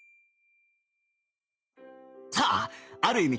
さあある意味